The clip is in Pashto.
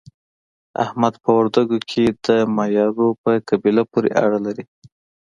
احمد په وردګو کې د مایارو په قبیله پورې اړه لري.